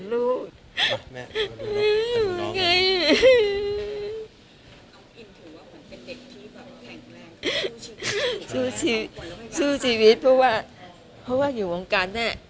เป็นเด็กที่แบบแข็งแรงสู้ชีวิตเพราะว่าอยู่วงการแน่